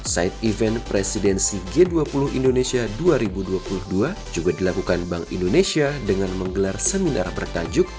side event presidensi g dua puluh indonesia dua ribu dua puluh dua juga dilakukan bank indonesia dengan menggelar seminar bertajuk